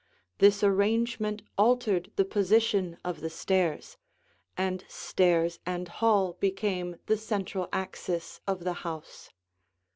This arrangement altered the position of the stairs, and stairs and hall became the central axis of the house.